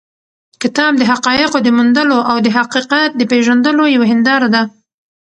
کتاب د حقایقو د موندلو او د حقیقت د پېژندلو یوه هنداره ده.